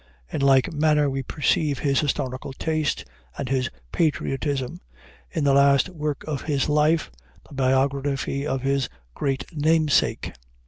In like manner we perceive his historical taste and his patriotism in the last work of his life, the biography of his great namesake.